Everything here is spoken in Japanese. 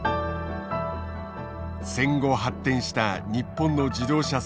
戦後発展した日本の自動車産業。